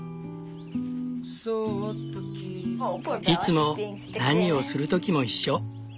いつも何をする時も一緒。